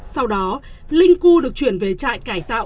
sau đó linh cu được chuyển về trại cải tạo